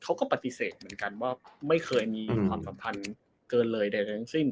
เขาก็ปฏิเสธเหมือนกันว่าไม่เคยมีความสัมพันธ์เกินเลยใดทั้งสิ้น